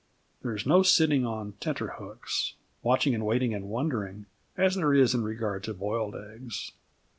There is no sitting on tenterhooks, watching and waiting and wondering, as there is in regard to boiled eggs.